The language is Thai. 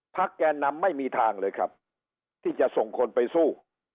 แกนนำไม่มีทางเลยครับที่จะส่งคนไปสู้